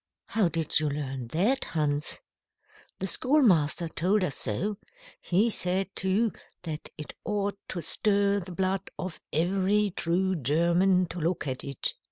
"How did you learn that, Hans?" "The schoolmaster told us so. He said, too, that it ought to stir the blood of every true German to look at it.